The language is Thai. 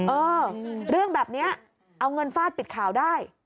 เออเรื่องแบบนี้เอาเงินฟาดปิดข่าวได้